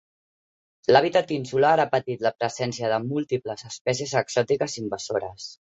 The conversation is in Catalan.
L'hàbitat insular ha patit la presència de múltiples espècies exòtiques invasores.